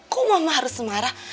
kok mama harus marah